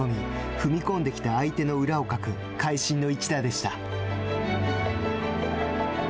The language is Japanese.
踏み込んできた相手の裏をかく会心の一打でした。